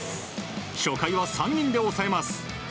初回は３人で抑えます。